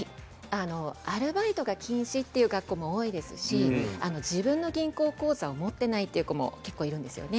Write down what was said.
アルバイトが禁止という学校も多いですし自分の銀行口座を持っていないという子も結構いるんです。